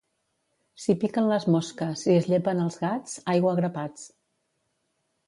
Si piquen les mosques i es llepen els gats, aigua a grapats.